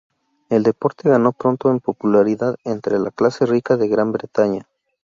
El deporte ganó pronto en popularidad entre la clase rica de Gran Bretaña.